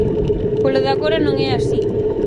Polo de agora non é así.